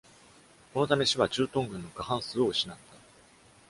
このため、市は駐屯軍の過半数を失った。